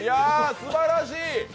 すばらしい！